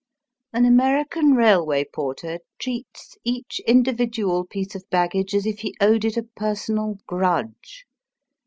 An American railway porter treats each individual piece of baggage as if he owed it a personal grudge.